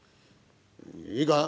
いいか？